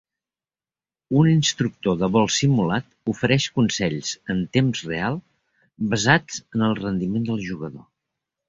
Un instructor de vol simulat ofereix consells en temps real basats en el rendiment del jugador.